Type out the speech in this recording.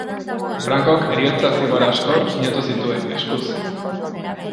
Francok heriotza-zigor asko sinatu zituen, eskuz.